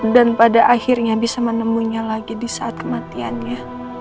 dan pada akhirnya bisa menemunya lagi di saat kematiannya